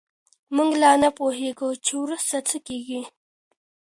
موږ لا نه پوهېږو چې وروسته څه کېږي.